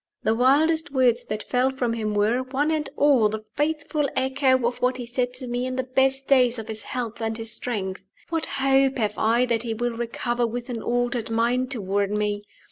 The wildest words that fell from him were, one and all, the faithful echo of what he said to me in the best days of his health and his strength. What hope have I that he will recover with an altered mind toward me?